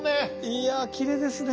いやきれいですね。